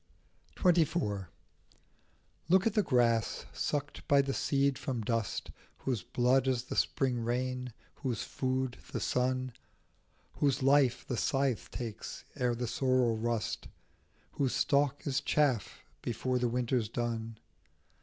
27 XXIV. LOOK at the grass, sucked by the seed from dust, Whose blood is the spring rain, whose food the sun, Whose life the scythe takes ere the sorrels rust, Whose stalk is chaff before the winter's done.